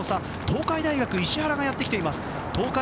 東海大学の石原がやってきています。